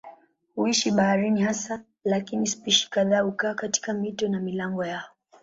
Huishi baharini hasa lakini spishi kadhaa hukaa katika mito na milango yao.